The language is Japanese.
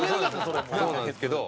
そうなんですけど。